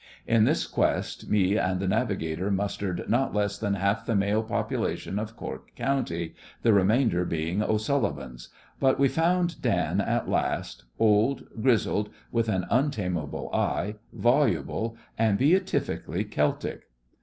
In this quest me and the Navigator mustered not less than half the male population of Cork County, the remainder being O'Sullivan's; but we found Dan at last—old, grizzled, with an untameable eye, voluble and beautifully Celtic.